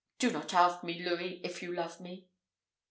Do not ask me, Louis, if you love me."